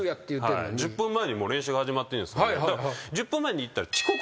１０分前にもう練習が始まってるんですよね。